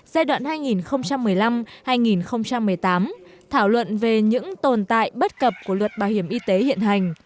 giai đoạn hai nghìn một mươi năm hai nghìn một mươi tám thảo luận về những tồn tại bất cập của luật bảo hiểm y tế hiện hành